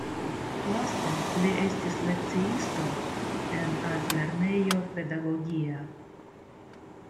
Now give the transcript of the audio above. Laste li estis lekciisto en altlernejo pedagogia.